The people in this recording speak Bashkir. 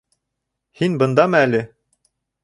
Һин бындамы әле?